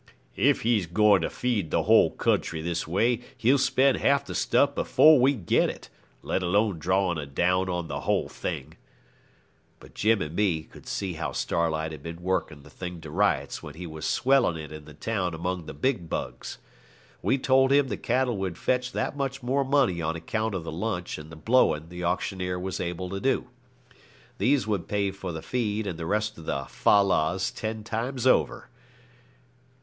'If he's going to feed the whole country this way, he'll spend half the stuff before we get it, let alone drawing a down on the whole thing.' But Jim and me could see how Starlight had been working the thing to rights while he was swelling it in the town among the big bugs. We told him the cattle would fetch that much more money on account of the lunch and the blowing the auctioneer was able to do. These would pay for the feed and the rest of the fal lals ten times over.